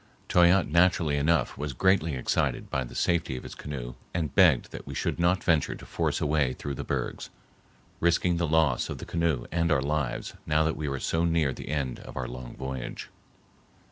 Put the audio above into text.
Toyatte naturally enough was greatly excited about the safety of his canoe and begged that we should not venture to force a way through the bergs, risking the loss of the canoe and our lives now that we were so near the end of our long voyage.